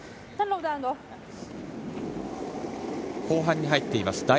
後半に入っています。